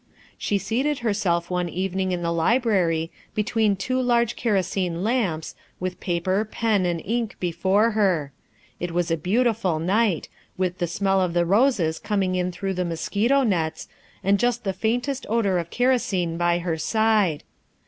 She seated herself one evening in the library, between two large kerosene lamps, with paper, pen, and ink before her. It was a beautiful night, with the smell of the roses coming in through the mosquito nets, and just the faintest odor of kerosene by her side.